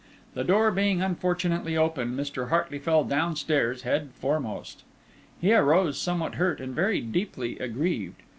The door being unfortunately open, Mr. Hartley fell downstairs head foremost. He arose somewhat hurt and very deeply aggrieved.